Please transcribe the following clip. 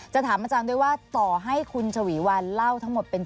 ถามอาจารย์ด้วยว่าต่อให้คุณฉวีวันเล่าทั้งหมดเป็น